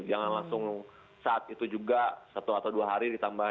jangan langsung saat itu juga satu atau dua hari ditambah